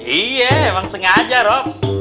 iya emang sengaja rob